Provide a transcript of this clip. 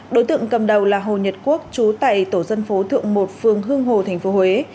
đối tượng cầm đầu là hồ nhật quốc chú tại tổ dân phố thượng một phường hương hồ tp huế